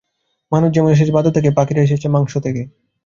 মানুষ যেমন এসেছে বাঁদর থেকে, পাখিরা এসেছে সরীসৃপ থেকে।